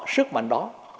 sức mạnh đó